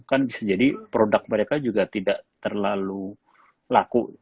kan bisa jadi produk mereka juga tidak terlalu laku